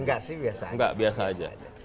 enggak sih biasa aja